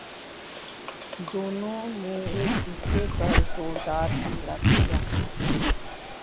دونوں نے ایک دوسرے پرزوردار حملہ کیا